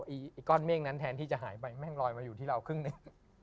ไอ้ก้อนเมฆนั้นแทนที่จะหายไปแม่งลอยมาอยู่ที่เราครึ่งหนึ่ง